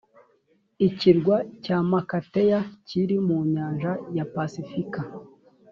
ikirwa cya makatea kiri mu nyanja ya pasifika